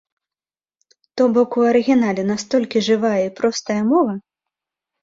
То бок, у арыгінале настолькі жывая і простая мова!